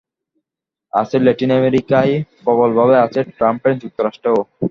আছে ল্যাটিন আমেরিকায়, প্রবলভাবে আছে ট্রাম্পের যুক্তরাষ্ট্রেও।